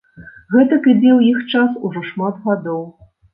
Гэтак ідзе ў іх час ужо шмат гадоў.